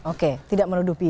oke tidak menuduh pin ya